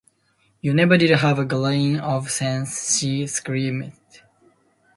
“You never did have a grain of sense!” she screamed.